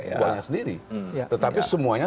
buahnya sendiri tetapi semuanya